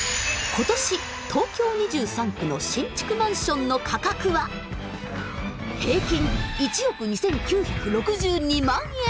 今年東京２３区の新築マンションの価格は平均１億２，９６２万円！